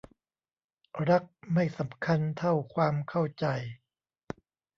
รักไม่สำคัญเท่าความเข้าใจ